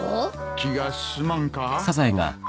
気が進まんか。